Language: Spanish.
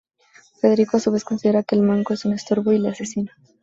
Federico, a su vez, considera que el Manco es un estorbo y le asesina.